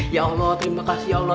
ya allah terima kasih allah